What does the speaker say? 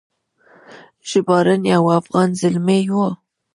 ژباړن یو افغان زلمی و.